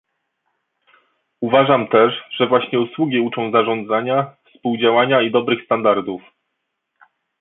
Uważam też, że właśnie usługi uczą zarządzania, współdziałania i dobrych standardów